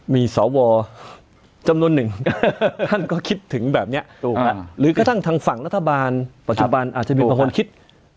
มีสวจำนวนหนึ่งท่านก็คิดถึงแบบนี้หรือกระทั่งฝั่งรัฐบาลประชุมอาจจะบิงระฮนคิด